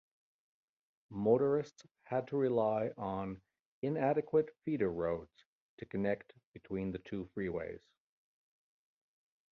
Motorists had to rely on inadequate feeder roads to connect between the two freeways.